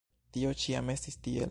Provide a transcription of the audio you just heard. Tio ĉiam estis tiel.